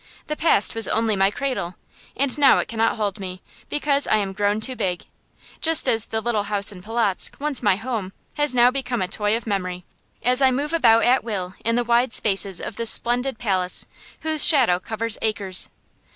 The past was only my cradle, and now it cannot hold me, because I am grown too big; just as the little house in Polotzk, once my home, has now become a toy of memory, as I move about at will in the wide spaces of this splendid palace, whose shadow covers acres.